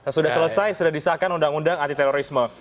sudah selesai sudah disahkan undang undang antiterorisme